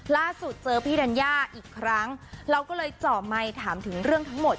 ล่าสุดเจอพี่ธัญญาอีกครั้งเราก็เลยเจาะไมค์ถามถึงเรื่องทั้งหมด